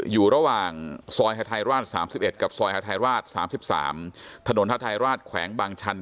อยู่ระหว่างซอยฮาทายราช๓๑กับซอยฮาทายราช๓๓ถนนฮาทายราชแขวงบางชัน